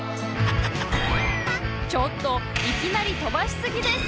ちょっといきなり飛ばしすぎです。